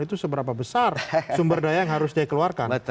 itu seberapa besar sumber daya yang harus dia keluarkan